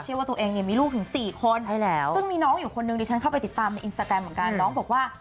ว่าตัวเองเนี่ยมีลูกถึง๔คนซึ่งมีน้องอยู่คนนึงดิฉันเข้าไปติดตามในอินสตาแกรมเหมือนกันน้องบอกว่า